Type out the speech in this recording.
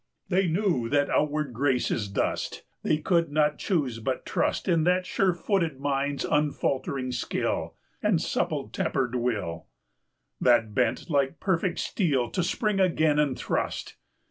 They knew that outward grace is dust; They could not choose but trust In that sure footed mind's unfaltering skill, 175 And supple tempered will That bent like perfect steel to spring again and thrust.